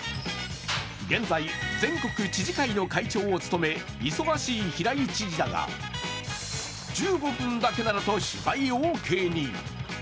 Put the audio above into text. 現在、全国知事会の会長を務め、忙しい平井知事だが、１５分だけならと取材オーケーに。